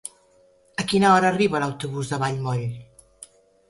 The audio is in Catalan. A quina hora arriba l'autobús de Vallmoll?